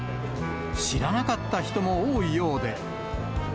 知らなかった人も多いようで。